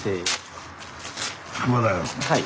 はい。